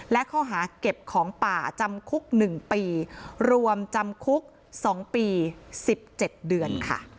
และข้อหาเก็บของป่าจำคุก๑ปีรวมจำคุก๒ปี๑๗เดือนค่ะ